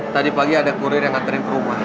tadi pagi ada kurir yang nganterin ke rumah